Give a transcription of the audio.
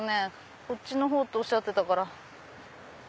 こっちのほうとおっしゃってたから。